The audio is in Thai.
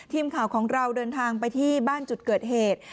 ทีมข่าวของเราเดินทางไปที่บ้านจุดเกิดเหตุ